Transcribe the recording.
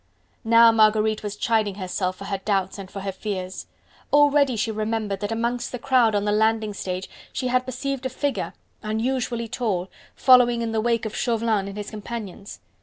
Now Marguerite was chiding herself for her doubts and for her fears. Already she remembered that amongst the crowd on the landing stage she had perceived a figure unusually tall following in the wake of Chauvelin and his companions.